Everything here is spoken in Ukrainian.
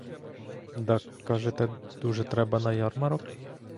Дак, кажете, дуже треба на ярмарок?